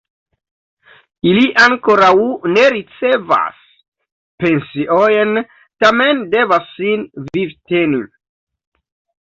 Ili ankoraŭ ne ricevas pensiojn tamen devas sin vivteni.